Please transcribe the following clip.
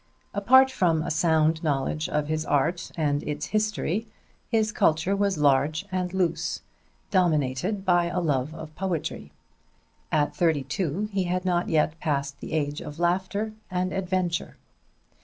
Apart from a sound knowledge of his art and its history, his culture was large and loose, dominated by a love of poetry. At thirty two he had not yet passed the age of laughter and adventure.